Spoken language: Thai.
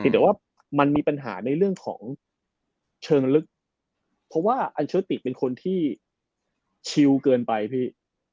แต่ว่ามันมีปัญหาในเรื่องของเชิงลึกเพราะว่าอัลเชอร์ติเป็นคนที่ชิลเกินไปพี่